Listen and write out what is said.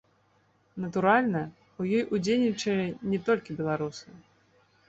Натуральна, у ёй удзельнічалі не толькі беларусы.